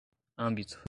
âmbito